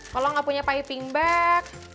kalau enggak punya piping bag